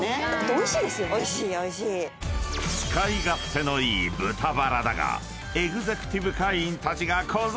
［使い勝手のいい豚バラだが］